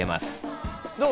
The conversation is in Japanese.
どう？